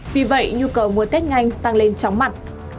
vì vậy nhu cầu mua test nganh tăng lên chóng mặt